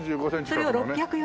それを６４０枚。